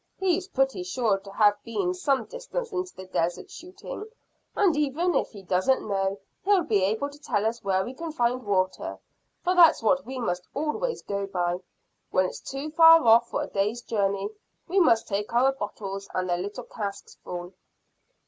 "He's pretty sure to have been some distance into the desert shooting, and even if he doesn't know he'll be able to tell us where we can find water, for that's what we must always go by. When it's too far off for a day's journey we must take our bottles and the little casks full."